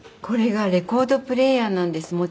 これがレコードプレーヤーなんです